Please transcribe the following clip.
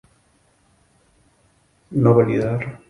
Halloween borra la delgada línea entre realidad y fachada.